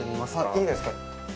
いいですか？